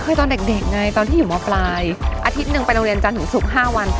คือตอนเด็กไงตอนที่อยู่มปลายอาทิตย์หนึ่งไปโรงเรียนจันทร์ศุกร์๕วัน